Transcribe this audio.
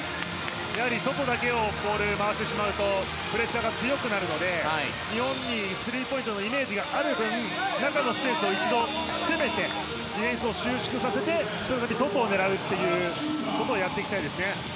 やはり外だけでボールを回してしまうとプレッシャーが強くなるので日本にスリーポイントのイメージがある分、中のスペースを詰めてディフェンスを収縮させて外を狙うということをやっていきたいですね。